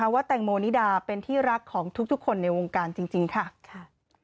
ว่าแตงโมนิดาเป็นที่รักของทุกคนในวงการจริงค่ะ